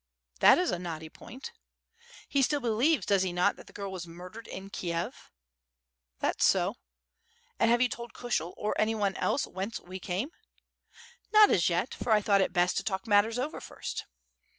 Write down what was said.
"That is a knotty point?" "He still believes, does he not, that the girl was murdered in Kiev?" "That's so." "And have you told Kushel, or any one else whence we came?" "Not as yet, for I thought it best to talk matters over first."